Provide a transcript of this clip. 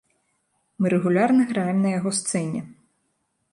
Мы рэгулярна граем на яго сцэне.